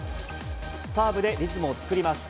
サーブでリズムを作ります。